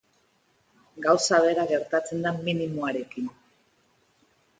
Gauza bera gertatzen da minimoarekin.